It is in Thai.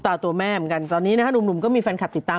ตาตัวแม่เหมือนกันตอนนี้นะฮะหนุ่มหนุ่มก็มีฟันคัดติดตาม